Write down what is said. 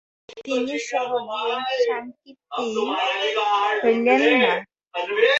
তিনি সহজে স্বীকৃত হইলেন না।